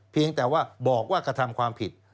เพียงแต่ว่าบอกว่ากระทำความผิด